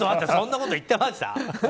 そんなこと言ってました？